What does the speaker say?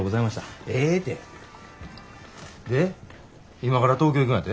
今から東京行くんやて？